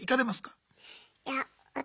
いや私